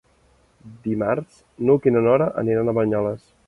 Dimarts n'Hug i na Nora aniran a Banyoles.